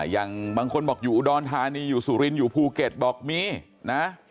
อย่างบางคนบอกอยู่อุดรธานีอยู่สุรินอยู่ภูเก็ตบอกมีนะ